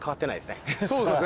そうですね。